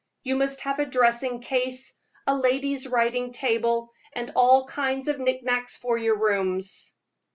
You must have a dressing case, a lady's writing table, and all kinds of knickknacks for your rooms."